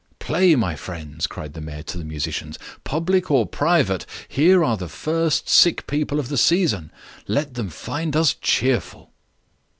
"Play, my friends!" cried the mayor to the musicians. "Public or private, here are the first sick people of the season. Let them find us cheerful."